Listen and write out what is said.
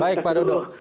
baik pak dodo